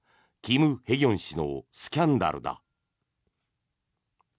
キム・ヘギョン氏のスキャンダルだ。